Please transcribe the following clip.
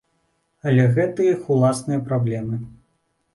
Але гэта іх уласныя праблемы.